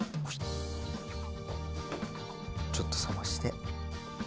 ちょっと冷まして。